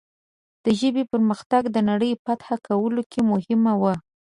د ژبې پرمختګ د نړۍ فتح کولو کې مهم و.